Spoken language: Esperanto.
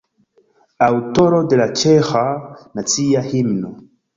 Aŭtoro de la ĉeĥa nacia himno.